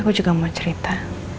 aku juga mau cerita